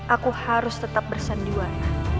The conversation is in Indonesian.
aku harus tetap bersanduan